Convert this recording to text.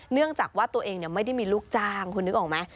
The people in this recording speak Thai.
เนื่องจากว่าตัวเองไม่ได้มีลูกจ้างคุณนึกออกไหม